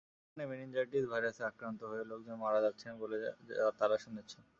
আরাকানে meningitis ভাইরাসে আক্রান্ত হয়ে লোকজন মারা যাচ্ছেন বলে তাঁরা শুনেছেন।